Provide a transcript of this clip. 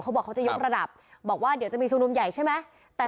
บอกเขาจะยกระดับบอกว่าเดี๋ยวจะมีชุมนุมใหญ่ใช่ไหม